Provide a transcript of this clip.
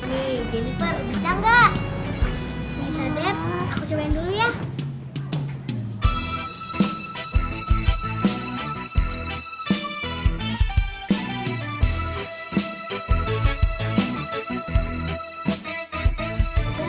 nih jennifer bisa gak